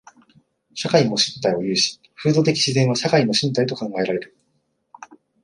社会も身体を有し、風土的自然は社会の身体と考えられる。